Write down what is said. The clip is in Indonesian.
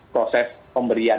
proses pemberian hukum